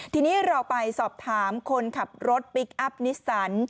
ทีนี้เราไปสอบถามคนขับรถพลิกอัคนิสสัน